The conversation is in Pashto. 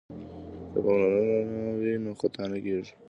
که پاملرنه وي نو خطا نه کیږي.